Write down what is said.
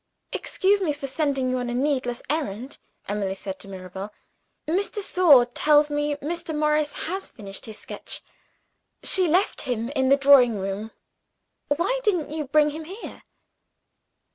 "Excuse me for sending you on a needless errand," Emily said to Mirabel; "Miss de Sor tells me Mr. Morris has finished his sketch. She left him in the drawing room why didn't you bring him here?"